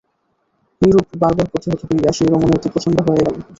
এইরূপ বারবার প্রতিহত হইয়া সেই রমণী অতি প্রচণ্ডা হইয়া উঠিল।